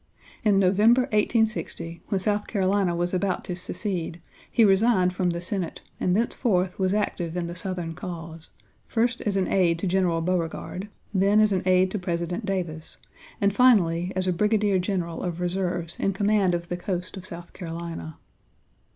In November, 1860, when South Carolina was about to secede, he resigned from the Senate and thenceforth was active in the Southern cause, first as an aide to General Beauregard, then as an aide to President Davis, and finally as a brigadier general of reserves in command of the coast of South Carolina.